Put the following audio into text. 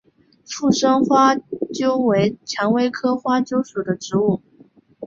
附生花楸为蔷薇科花楸属的植物。